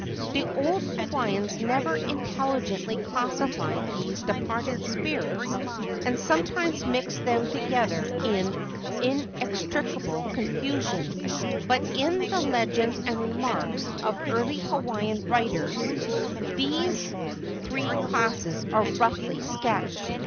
The old Hawaiians never intelligently classified these departed spirits and sometimes mixed them together in inex¬ tricable confusion, but in the legends and remarks of early Hawaiian writers these three classes are roughly sketched.